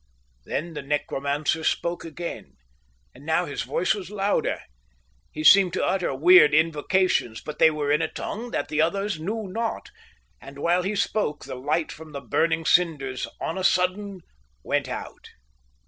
Then the necromancer spoke again, and now his voice was louder. He seemed to utter weird invocations, but they were in a tongue that the others knew not. And while he spoke the light from the burning cinders on a sudden went out.